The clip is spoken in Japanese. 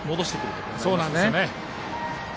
そうなんですね。